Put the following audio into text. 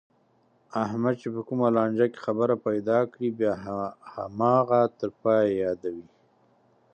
احمد چې په کومه لانجه کې خبره پیدا کړي، بیا هماغه تر پایه یادوي.